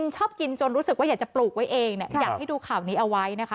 ชอบกินจนรู้สึกว่าอยากจะปลูกไว้เองเนี่ยอยากให้ดูข่าวนี้เอาไว้นะคะ